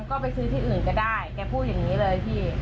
ก็ไปซื้อที่อื่นก็ได้แกพูดอย่างนี้เลยพี่